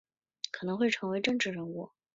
可能会成为政治人物